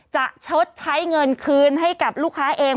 ชดใช้เงินคืนให้กับลูกค้าเอง